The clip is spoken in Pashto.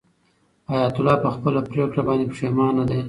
حیات الله په خپله پرېکړه باندې پښېمانه دی.